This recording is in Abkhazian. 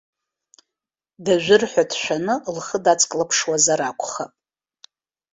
Дажәыр ҳәа дшәаны, лхы дацклаԥшуазар акәхап.